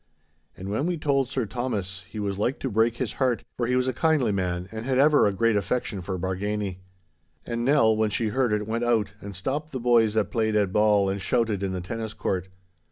And when we told Sir Thomas he was like to break his heart, for he was a kindly man, and had ever a great affection for Bargany. And Nell, when she heard it, went out and stopped the boys that played at ball and shouted in the tennis court.